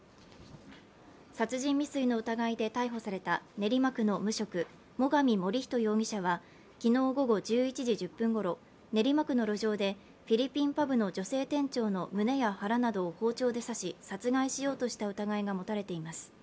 殺人未遂の疑いで逮捕された練馬区の無職、最上守人容疑者は昨日午後１１時１０分ごろ、練馬区の路上でフィリピンパブの女性店長の胸や腹などを包丁で刺し殺害しようとした疑いが持たれています。